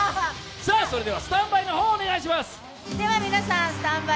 それではスタンバイの方、お願いします。